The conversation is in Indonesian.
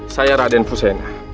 saya raden fusena